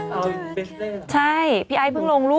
กัวนบเบสเหล่ะมันเป็นเหรอ